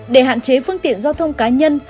để hạn chế phương tiện giao thông cá nhân